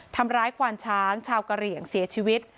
ทำร้ายขวานช้างชาวกระเหลี่ยงเสียชีวิต